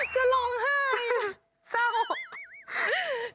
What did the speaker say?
จะร้องไห้